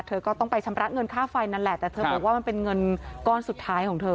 เธอก็ต้องไปชำระเงินค่าไฟนั่นแหละแต่เธอบอกว่ามันเป็นเงินก้อนสุดท้ายของเธอ